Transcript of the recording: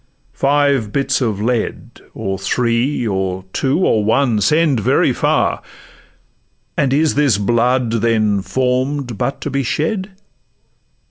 five bits of lead, Or three, or two, or one, send very far! And is this blood, then, form'd but to be shed?